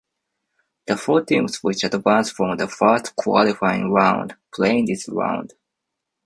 The four teams which advance from the first qualifying round play in this round.